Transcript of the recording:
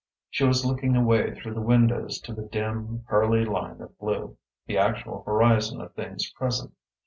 She was looking away through the windows to the dim, pearly line of blue, the actual horizon of things present.